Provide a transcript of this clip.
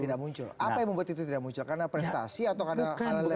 apa yang membuat itu tidak muncul karena prestasi atau karena hal lain yang lebih